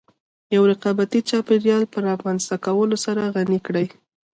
د يوه رقابتي چاپېريال په رامنځته کولو سره غني کړې.